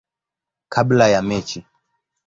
kabla ya mechi.